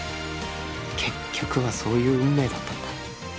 結局はそういう運命だったんだ